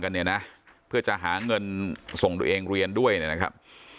เนี่ยนะเพื่อจะหาเงินส่งตัวเองเรียนด้วยนะครับ